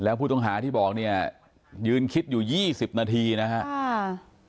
แล้วผู้ต้องหาที่บอกเนี้ยยืนคิดอยู่ยี่สิบนาทีนะฮะอ่า